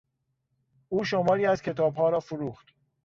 او شماری از کتابها را فروخت.